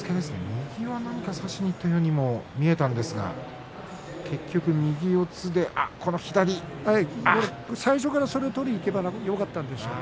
右は差しにいったようにも見えたんですけれども最初からそれを取りにいけばよかったです。